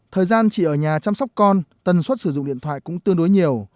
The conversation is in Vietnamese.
thời gian chị ở nhà chăm sóc con tần suất sử dụng điện thoại cũng tương đối nhiều